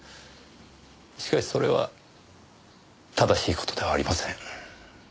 しかしそれは正しい事ではありません。